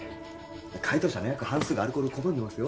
回答者の約半数がアルコールを拒んでますよ